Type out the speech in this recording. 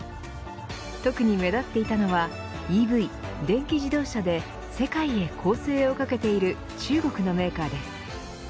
特に目立っていたのはＥＶ電気自動車で世界へ攻勢をかけている中国のメーカーです。